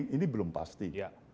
ini belum pasti